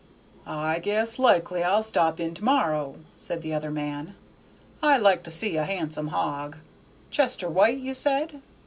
"I guess likely I 'll stop in to morrow," said the other man; "I like to see a han'some hog. Chester White, you said?